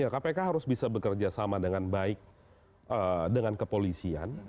kpk harus bisa bekerja sama dengan baik dengan kepolisian